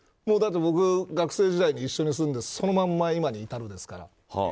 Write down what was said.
だって僕、学生時代に一緒に住んでそのまま今に至るですから。